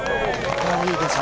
いいですね。